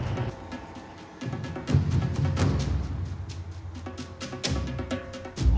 aksi pembegalan di desa burangkeng